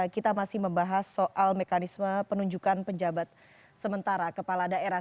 kita masih membahas soal mekanisme penunjukan penjabat sementara kepala daerah